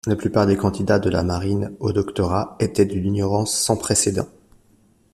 La plupart des candidats de la Marine au doctorat étaient d'une ignorance sans précédent.